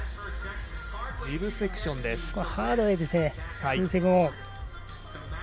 ジブセクションです。